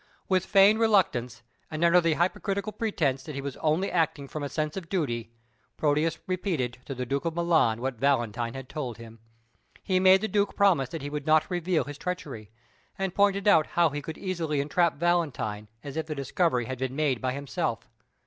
With feigned reluctance, and under the hypocritical pretence that he was only acting from a sense of duty, Proteus repeated to the Duke of Milan what Valentine had told him. He made the Duke promise that he would not reveal his treachery, and pointed out how he could easily entrap Valentine as if the discovery had been made by himself.